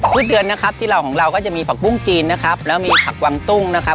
พืชเดือนที่เราของเราก็จะมีผักปุ้งจีนแล้วมีผักกวังตุ้งนะครับ